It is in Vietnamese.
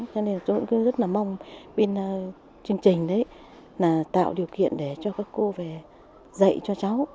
cho nên cháu cũng cứ rất là mong bên chương trình đấy là tạo điều kiện để dạy cho cháu